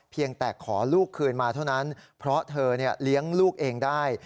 เพียงแต่ขอลูกคืนมาเท่านั้นเพราะเธอเลี้ยงลูกเองได้